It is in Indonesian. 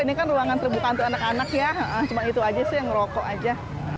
ini kan ruangan terbuka untuk anak anak ya cuma itu aja sih yang ngerokok aja